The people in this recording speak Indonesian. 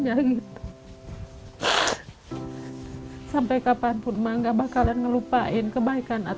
sampai kapanpun mak nggak bakalan ngelupain